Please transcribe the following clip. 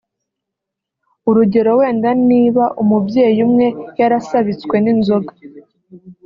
urugero wenda niba umubyeyi umwe yarasabitswe n’inzoga